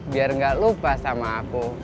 biar gak lupa sama aku